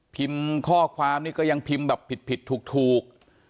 ข้อความนี่ก็ยังพิมพ์แบบผิดถูก